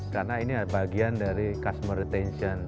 karena ini adalah bagian dari customer retention